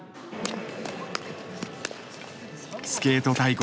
スケート大国